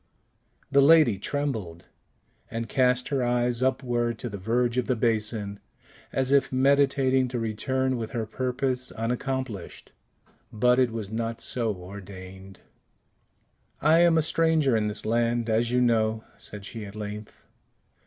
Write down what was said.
The lady trembled, and cast her eyes upward to the verge of the basin, as if meditating to return with her purpose unaccomplished. But it was not so ordained. "I am a stranger in this land, as you know," said she at length.